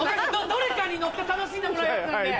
どれかに乗って楽しんでもらうやつなんで。